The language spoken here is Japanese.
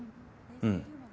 うん。